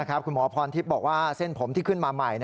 คุณหมอพรทิพย์บอกว่าเส้นผมที่ขึ้นมาใหม่